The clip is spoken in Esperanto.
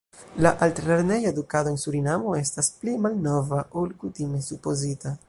La altlerneja edukado en Surinamo estas pli malnova ol kutime supozita.